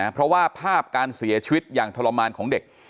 เพราะว่าภาพการเสียชีวิตอย่างทรมานของเด็ก